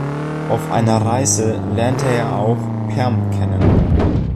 Auf einer Reise lernte er auch Perm kennen.